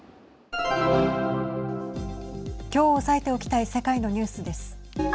きょう押さえておきたい世界のニュースです。